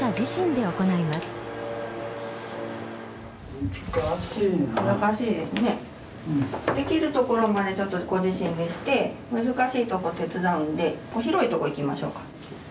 できるところまでちょっとご自身でして難しいところ手伝うので広い所行きましょうか。